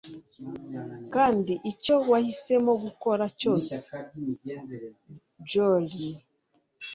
kandi icyo wahisemo gukora cyose, jolene